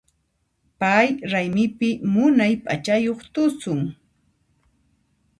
Pay raymipi munay p'achayuq tusun.